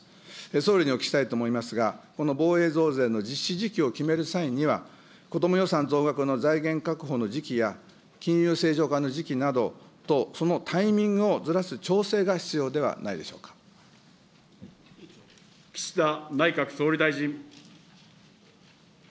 総理にお聞きしたいと思いますが、この防衛増税の実施時期を決める際には、こども予算増額の財源確保の時期や、金融正常化の時期などと、そのタイミングをずらす調岸田内閣総理大臣。